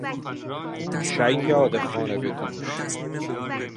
شیاد خانهبهدوش